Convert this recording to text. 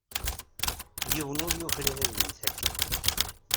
Yiwen ur yuklal ad yemmet akka.